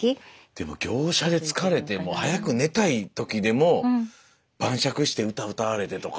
でも行商で疲れてもう早く寝たい時でも晩酌して歌を歌われてとか。